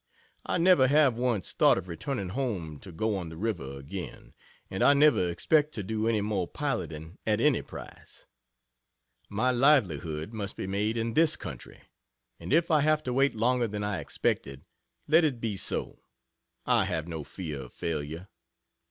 I never have once thought of returning home to go on the river again, and I never expect to do any more piloting at any price. My livelihood must be made in this country and if I have to wait longer than I expected, let it be so I have no fear of failure.